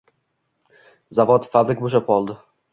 Zavod, fabrik bo‘shab qoldi.